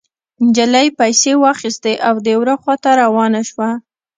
نجلۍ پيسې واخيستې او د وره خوا ته روانه شوه.